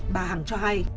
bà hằng cho hay